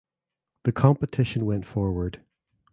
The competition went forward.